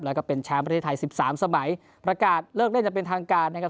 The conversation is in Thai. แล้วก็เป็นแชมป์ประเทศไทยสิบสามสมัยประกาศเลิกเล่นอย่างเป็นทางการนะครับ